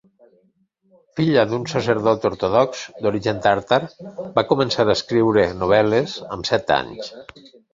Filla d'un sacerdot ortodox d'origen tàrtar, va començar a escriure novel·les amb set anys.